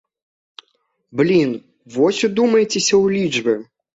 Блін, вось удумайцеся ў лічбы.